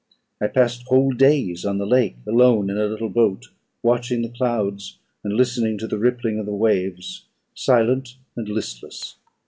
I passed whole days on the lake alone in a little boat, watching the clouds, and listening to the rippling of the waves, silent and listless.